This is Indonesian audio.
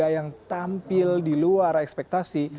yang tampil di luar ekspektasi